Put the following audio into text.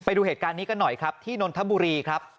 ดูเหตุการณ์นี้กันหน่อยครับที่นนทบุรีครับ